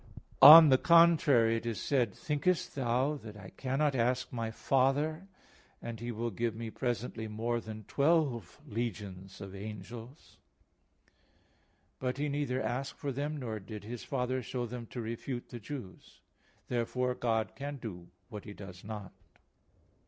On the contrary, It is said: "Thinkest thou that I cannot ask My Father, and He will give Me presently more than twelve legions of angels?" (Matt. 26:53). But He neither asked for them, nor did His Father show them to refute the Jews. Therefore God can do what He does not.